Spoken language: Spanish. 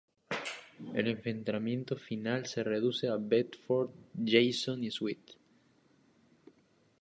El enfrentamiento final se reduce a Bedford y Jason Sweet.